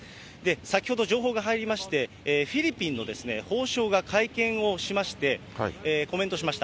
先ほど情報が入りまして、フィリピンの法相が会見をしまして、コメントしました。